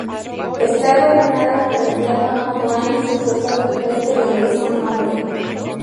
Está gobernada por el Diácono Juan, sucesor del Preste del mismo nombre.